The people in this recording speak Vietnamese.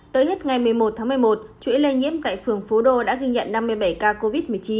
tới hết ngày một mươi một tháng một mươi một chuỗi lây nhiễm tại phường phú đô đã ghi nhận năm mươi bảy ca covid một mươi chín